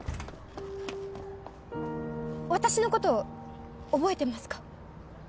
私のこと覚えてますか？